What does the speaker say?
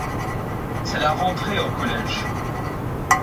C'est la rentrée au collège.